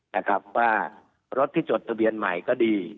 ว่ารถที่จดสะเบียนใหม่ก็ดี